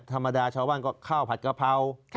ธรรมดาชาวบ้านก็ข้าวผัดกะเพราค่ะ